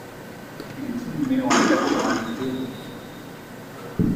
Il est inhumé en la cathédrale de Derry.